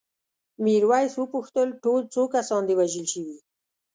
میرويس وپوښتل ټول څو کسان دي وژل شوي؟